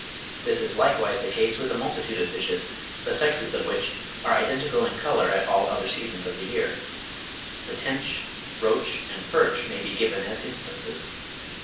This is likewise the case with a multitude of fishes, the sexes of which are identical in colour at all other seasons of the year. The tench, roach, and perch may be given as instances.